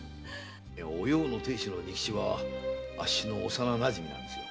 お葉の亭主の仁吉はあっしの幼なじみなんですよ。